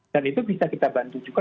dan itu bisa kita bantu juga